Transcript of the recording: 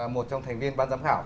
một trong thành viên ban giám khảo